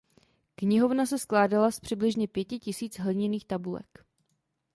Knihovna se skládala z přibližně pěti tisíc hliněných tabulek.